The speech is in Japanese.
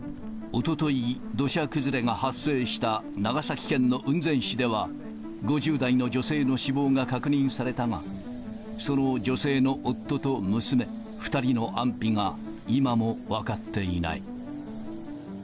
おととい、土砂崩れが発生した長崎県の雲仙市では、５０代の女性の死亡が確認されたが、その女性の夫と娘、２人の安否が今も分かっていない。